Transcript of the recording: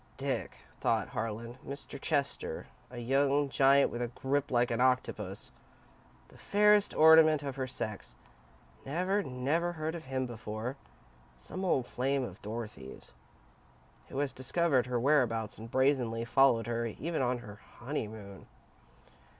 "Dick," thought Harlan. "Mr. Chester. A young giant with a grip like an octopus. 'The fairest ornament of her sex.' Never, never heard of him before. Some old flame of Dorothy's, who has discovered her whereabouts and brazenly followed her, even on her honeymoon."